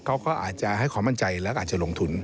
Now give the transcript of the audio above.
เขาก็อาจจะให้ความมั่นใจแล้วก็อาจจะลงทุน